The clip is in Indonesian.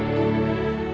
kenapa dedeh nangis